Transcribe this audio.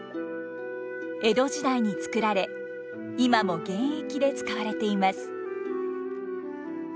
江戸時代に作られ今も現役で使われています。